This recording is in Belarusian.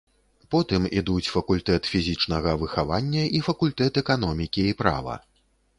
Потым ідуць факультэт фізічнага выхавання і факультэт эканомікі і права.